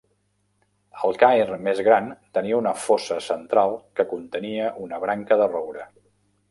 El cairn més gran tenia una fossa central que contenia una branca de roure.